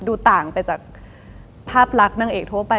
ดูต่างไปจากภาพลักษณ์นางเอกทั่วไป